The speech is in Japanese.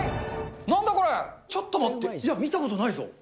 ちょっと待って、いや、見たことないぞ？